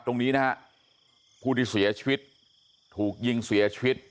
ตรงนี้นะฮะผู้ที่เสียชีวิตถูกยิงเสียชีวิต